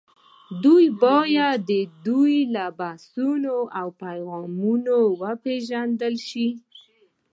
دوی باید د دوی له بحثونو او پیغامونو وپېژندل شي